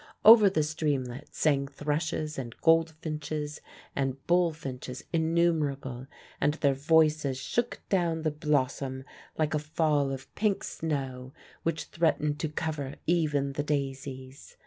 Over the streamlet sang thrushes and goldfinches and bull finches innumerable, and their voices shook down the blossom like a fall of pink snow, which threatened to cover even the daisies.